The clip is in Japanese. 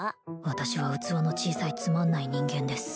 私は器の小さいつまんない人間です